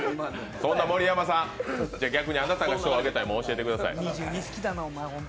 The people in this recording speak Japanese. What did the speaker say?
そんな盛山さん、逆にあなたが賞をあげたいものを教えてください。